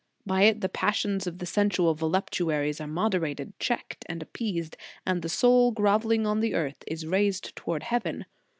By it the passions of the sensual voluptuaries are moderated, checked and appeased; and the soul grovelling on the earth, is raised towards heaven.